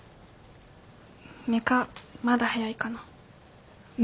メカまだ早いかな。